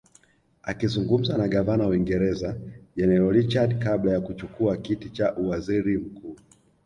Akizungumza na Gavana wa Uingereza General Richard kabla ya kuchukua kiti cha uwaziri mkuu